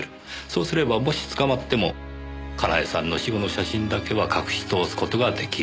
そうすればもし捕まっても佳苗さんの死後の写真だけは隠し通す事ができる。